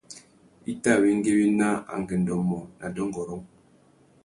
I tà awéngüéwina angüêndô mô nà dôngôrông.